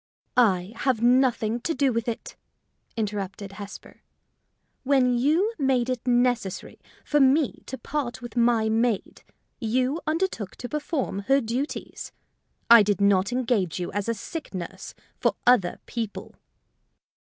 "I have nothing to do with it," interrupted Hesper. "When you made it necessary for me to part with my maid, you undertook to perform her duties. I did not engage you as a sick nurse for other people."